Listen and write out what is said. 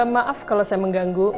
maaf kalau saya mengganggu